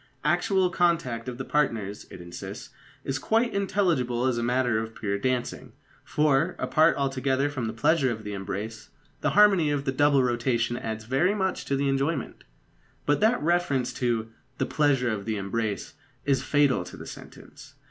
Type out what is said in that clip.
"Actual contact of the partners," it insists, "is quite intelligible as matter of pure dancing; for, apart altogether from the pleasure of the embrace, the harmony of the double rotation adds very much to the enjoyment." But that reference to "the pleasure of the embrace" is fatal to the sentence.